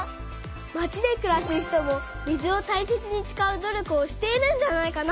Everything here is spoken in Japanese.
まちでくらす人も水をたいせつにつかう努力をしているんじゃないかな。